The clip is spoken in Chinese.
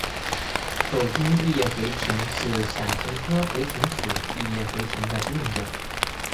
走茎异叶茴芹是伞形科茴芹属异叶茴芹的变种。